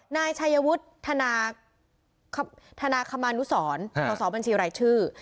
นายชัยวุฒิธนาคมานุสรสสบัญชีรายชื่อ